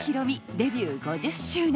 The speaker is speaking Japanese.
デビュー５０周年